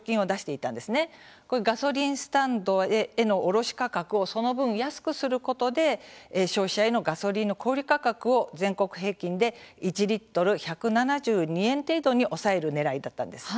ガソリンスタンドへの卸売価格をその分、安くすることで消費者へのガソリンの小売価格を全国平均で１リットル１７２円程度に抑えるねらいだったんです。